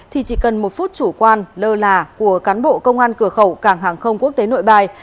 thì chỉ cần một phút chủ quan lơ là của cán bộ công an cửa khẩu cảng hàng không quốc tế nội bài